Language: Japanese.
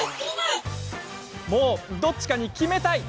もう、どっちかに決めたい！